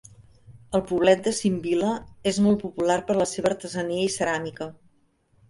El poblet de Simbila és molt popular per la seva artesania i ceràmica.